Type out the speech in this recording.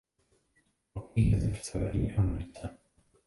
Velkých jezer v Severní Americe.